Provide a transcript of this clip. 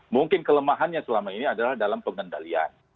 mungkin kelemahannya selama ini adalah dalam pengendalian